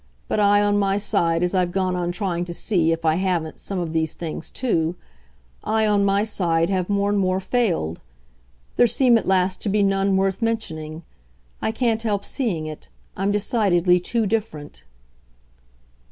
But I, on my side, as I've gone on trying to see if I haven't some of these things too I, on my side, have more and more failed. There seem at last to be none worth mentioning. I can't help seeing it I'm decidedly too different."